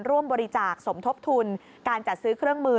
ร่วมบริจาคสมทบทุนการจัดซื้อเครื่องมือ